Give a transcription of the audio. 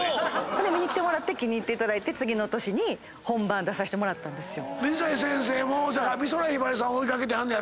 見に来てもらって気に入っていただいて次の年に本番出させてもらったんですよ。